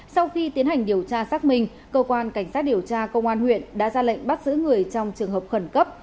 sau khi tiến hành điều tra xác minh cơ quan cảnh sát điều tra công an huyện đã ra lệnh bắt giữ người trong trường hợp khẩn cấp